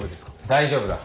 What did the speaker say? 大丈夫だ。